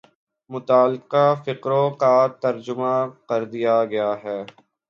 متعلقہ فقروں کا ترجمہ کر دیا گیا ہے